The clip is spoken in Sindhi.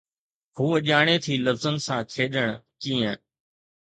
هوءَ ڄاڻي ٿي لفظن سان کيڏڻ ڪيئن